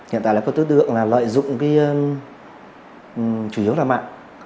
hiện tại là có tư tượng là lợi dụng chủ yếu là mạng